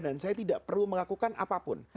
dan saya tidak perlu melakukan apapun